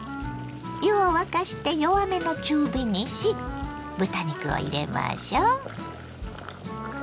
湯を沸かして弱めの中火にし豚肉を入れましょ。